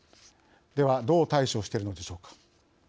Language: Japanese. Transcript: ではどう対処しているのでしょうか。